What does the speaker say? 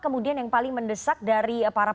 kemudian yang paling mendesak dari para